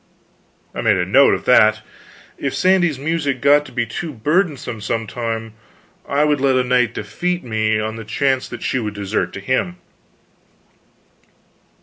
I made a note of that. If Sandy's music got to be too burdensome, some time, I would let a knight defeat me, on the chance that she would desert to him.